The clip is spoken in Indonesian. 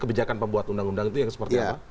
kebijakan pembuat undang undang itu yang seperti apa